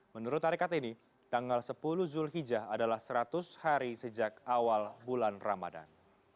menurut tarekat ini tanggal sepuluh zulhijjah adalah seratus hari sejak awal bulan ramadan